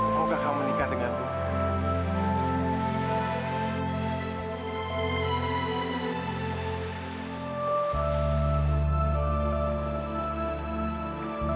maukah kamu nikah dengan aku